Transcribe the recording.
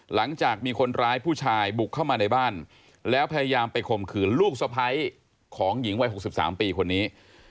หลังจากมีคนร้ายผู้ชายบุกเข้ามาในบ้านแล้วพยายามไปข่มขืนลูกสะพ้ายของหญิงวัย๖๓ปีคนนี้